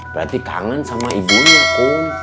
berarti kangen sama ibunya tuh